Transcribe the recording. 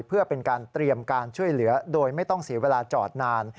เพื่อเป็นการเตรียมการช่วยเหลือโดยไม่ต้องเสียเวลาจอดนาน